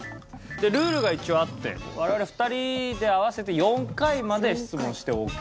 ルールが一応あって我々２人で合わせて４回まで質問してオーケーと。